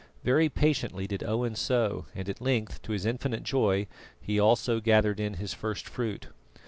Very patiently did Owen sow, and at length to his infinite joy he also gathered in his first fruit.